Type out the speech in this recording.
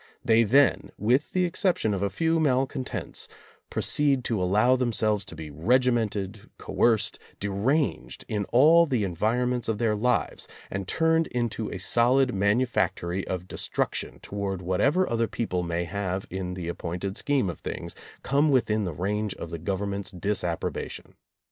They then with the exception of a few malcontents, proceed to allow themselves to be regimented, coerced, deranged in all the environments of their lives, and turned into a solid manufactory of destruction toward what ever other people may have, in the appointed scheme of things, come within the range of the Government's disapprobation.